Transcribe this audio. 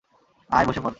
আয় বসে পড়।